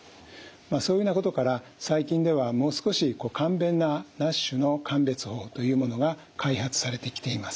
そういうようなことから最近ではもう少し簡便なＮＡＳＨの鑑別法というものが開発されてきています。